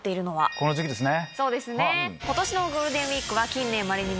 この時期ですね。